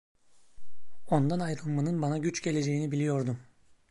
Ondan ayrılmanın bana güç geleceğini biliyordum.